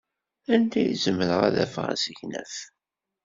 Anda ay zemreɣ ad afeɣ asegnaf?